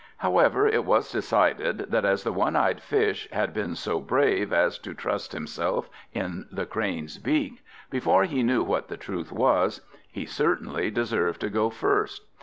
However, it was decided that as the one eyed Fish had been so brave as to trust himself in the Crane's beak, before he knew what the truth was, he certainly deserved to go first.